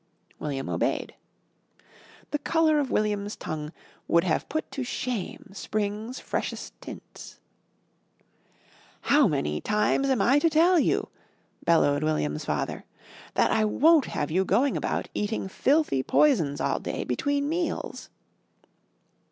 William obeyed. The colour of William's tongue would have put to shame Spring's freshest tints. "How many times am I to tell you," bellowed William's father, "that I won't have you going about eating filthy poisons all day between meals?"